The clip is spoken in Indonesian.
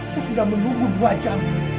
itu sudah menunggu dua jam